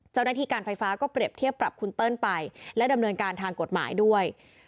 เจ้าหน้าที่การไฟฟ้าก็เปรียบเทียบปรับคุณเติ้ลไปและดำเนินการทางกฎหมายด้วย